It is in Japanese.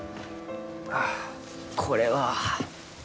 あこれは。